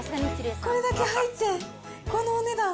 これだけ入って、このお値段。